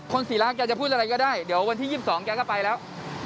คนศิราจะพูดอะไรก็ได้เดี๋ยววันท่ี๒๒ก็ไปแล้ว